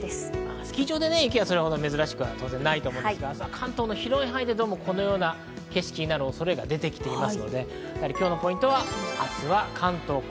スキー場で雪はそれほど珍しくないと思うんですが、明日は関東の広い範囲でこのような景色になる恐れが出てきています。